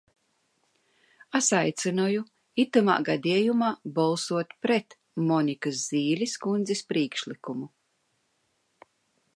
Es aicinu šinī gadījumā balsot pret Monikas Zīles kundzes priekšlikumu.